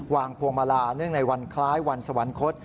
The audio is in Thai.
วางโพงมาลาเนื่องในวันคล้ายวันสวรรค์กฏ